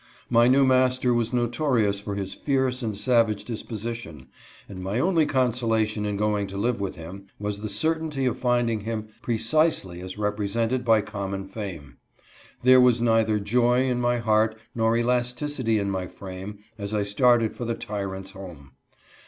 My new master was notorious for his fierce and savage disposition, and my only consolation in going to live with him, was the certainty of finding him precisely as represented by common fame. There was neither joy in my heart nor elasticity in my frame as I started for the tyrant's home.